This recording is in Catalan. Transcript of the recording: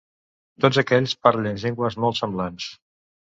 Tots aquests parlen llengües molt semblants.